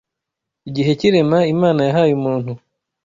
Igihe cy’irema, Imana yahaye umuntu